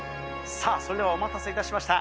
さあ、それではお待たせいたしました。